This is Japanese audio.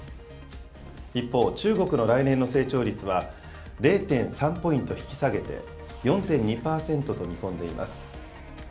一方、中国の来年の成長率は、０．３ポイント引き下げて、４．２％と見込んでいます。